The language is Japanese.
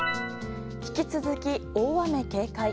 引き続き大雨警戒。